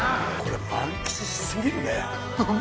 満喫しすぎるね。